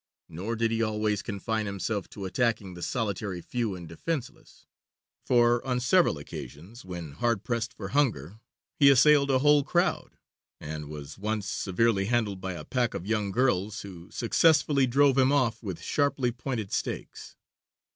Nor did he always confine himself to attacking the solitary few and defenceless; for on several occasions, when hard pressed by hunger, he assailed a whole crowd, and was once severely handled by a pack of young girls who successfully drove him off with sharply pointed stakes.